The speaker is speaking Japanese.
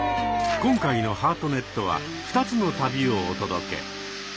今回の「ハートネット」は２つの旅をお届け。